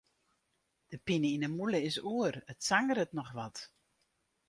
De pine yn 'e mûle is oer, it sangeret noch sa wat.